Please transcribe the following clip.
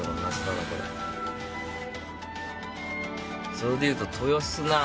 それでいうと豊砂。